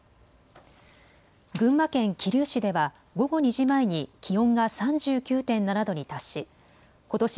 群馬県桐生市では午後２時前に気温が３９．７度に達しことし